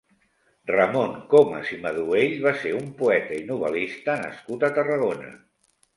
Ramon Comas i Maduell va ser un poeta i novel·lista nascut a Tarragona.